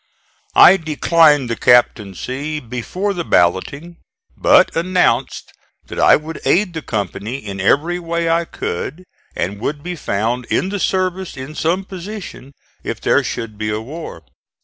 I declined the captaincy before the balloting, but announced that I would aid the company in every way I could and would be found in the service in some position if there should be a war.